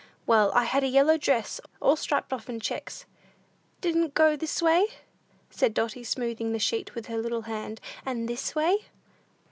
Well, I had a yellow dress all striped off in checks " "Di'n't it go this way?" said Dotty, smoothing the sheet with her little hand, "and this way?"